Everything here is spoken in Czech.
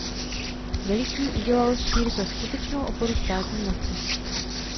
Veliký udělal z církve skutečnou oporu státní moci.